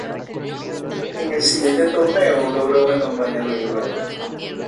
En el siguiente torneo, logra una campaña regular.